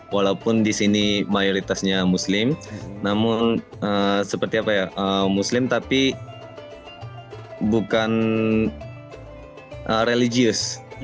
walaupun di sini mayoritasnya muslim namun seperti apa ya muslim tapi bukan religius